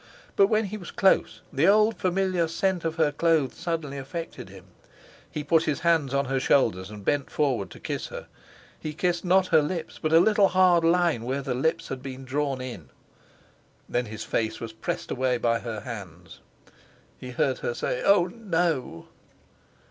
But when he was close, the old familiar scent of her clothes suddenly affected him. He put his hands on her shoulders and bent forward to kiss her. He kissed not her lips, but a little hard line where the lips had been drawn in; then his face was pressed away by her hands; he heard her say: "Oh! No!"